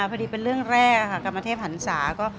เป็นเรื่องแรกค่ะกรรมเทพหันศาก็